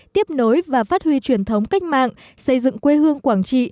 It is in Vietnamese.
tiếp nối và phát huy truyền thống cách mạng xây dựng quê hương quảng trị